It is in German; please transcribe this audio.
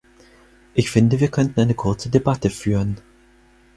Ich finde, wir könnten eine kurze Debatte führen.